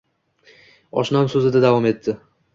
Oshnam so`zida davom etdi